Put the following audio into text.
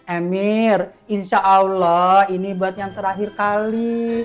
eh mir insya allah ini buat yang terakhir kali